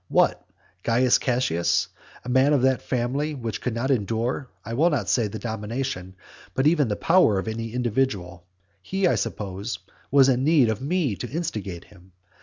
What? Caius Cassius, a man of that family which could not endure, I will not say the domination, but even the power of any individual, he, I suppose, was in need of me to instigate him?